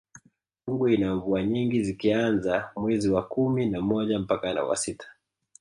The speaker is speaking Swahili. rungwe ina mvua nyingi zikianza mwez wa kumi na moja mpaka wa sita